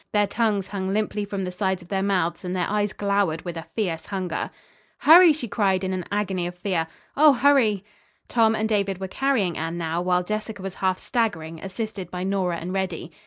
Their tongues hung limply from the sides of their mouths and their eyes glowered with a fierce hunger. "Hurry!" she cried, in an agony of fear. "Oh, hurry!" Tom and David were carrying Anne now, while Jessica was half staggering, assisted by Nora and Reddy.